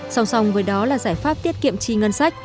song song với đó là giải pháp tiết kiệm chi ngân sách